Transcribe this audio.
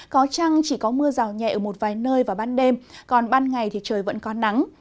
có chăng chỉ có mưa rào nhẹ ở một vài nơi vào ban đêm còn ban ngày thì trời vẫn có nắng